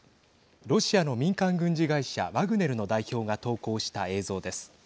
ロシアの民間軍事会社ワグネルの代表が投稿した映像です。